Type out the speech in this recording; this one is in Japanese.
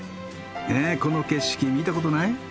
ねえこの景色見たことない？